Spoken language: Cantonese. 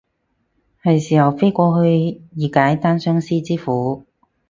係時候飛過去以解單相思之苦